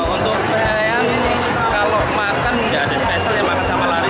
untuk penilaian kalau makan enggak ada spesial yang makan sama lari